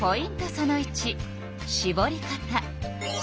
その１しぼり方。